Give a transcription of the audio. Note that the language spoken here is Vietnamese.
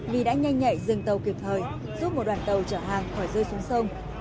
vì đã nhanh nhạy dừng tàu kịp thời giúp một đoàn tàu chở hàng khỏi rơi xuống sông